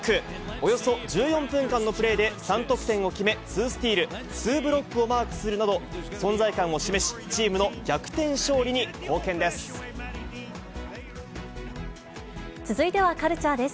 およそ１４分間のプレーで３得点を決め、２スチール、２ブロックをマークするなど存在感を示し、チームの続いてはカルチャーです。